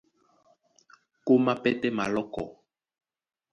Kómá pɛ́tɛ́ malɔ́kɔ.